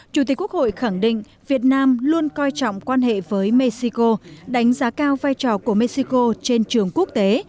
chủ tịch quốc hội khẳng định việt nam luôn coi trọng quan hệ với mexico đánh giá cao vai trò của mexico trên trường quốc tế